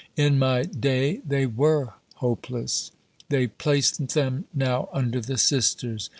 In my day they were hopeless. They place them now under the Sisters.